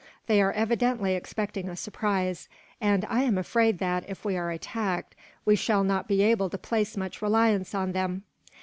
They are evidently expecting a surprise; and I am afraid that, if we are attacked, we shall not be able to place much reliance on them."